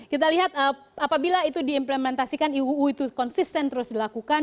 kita lihat apabila itu diimplementasikan iuu itu konsisten terus dilakukan